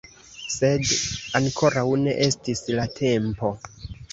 Sed ankoraŭ ne estis la tempo.